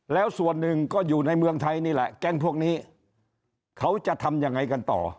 แล้วส่วนหนึ่งก็อยู่ในเมืองไทยนี่แหละแก๊งพวกนี้เขาจะทำยังไงกันต่อ